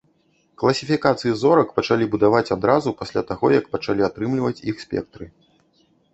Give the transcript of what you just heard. Класіфікацыі зорак пачалі будаваць адразу пасля таго, як пачалі атрымліваць іх спектры.